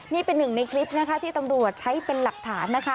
นี่เป็นหนึ่งในคลิปนะคะที่ตำรวจใช้เป็นหลักฐานนะคะ